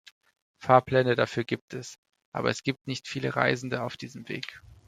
Fahrpläne dafür gibt es, aber es gibt nicht viele Reisende auf diesem Weg.